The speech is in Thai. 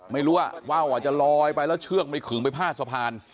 ไม่รู้ว่าว่าวอาจจะลอยไปแล้วเชือกไม่ขึงไปพาดสะพาน